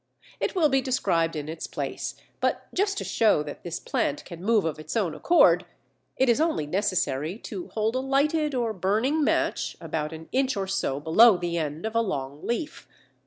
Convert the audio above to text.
It will be described in its place, but just to show that this plant can move of its own accord, it is only necessary to hold a lighted or burning match about an inch or so below the end of a long leaf.